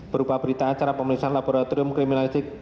berupa berita acara pemeriksaan laboratorium kriminalistik